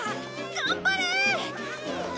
頑張れー！